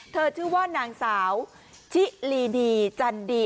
ชื่อว่านางสาวชิลีจันดี